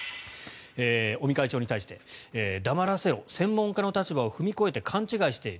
尾身会長に対して、黙らせろ専門家の立場を踏み越えて勘違いしている。